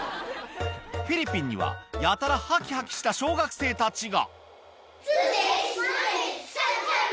フィリピンには、やたらはきはきした小学生たちが。